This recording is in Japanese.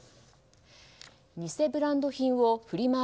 偽ブランド品をフリマ